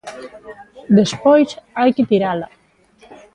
Despois hai que tirala.